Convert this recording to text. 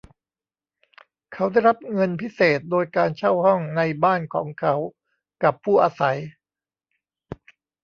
เขาได้รับเงินพิเศษโดยการเช่าห้องในบ้านของเขากับผู้อาศัย